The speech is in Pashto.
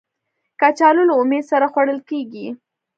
کچالو له امید سره خوړل کېږي